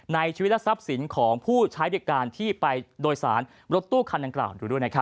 ในชีวิตและทรัพย์สินของผู้ใช้ด้วยการที่ไปโดยสารรถตู้คันดังกล่าว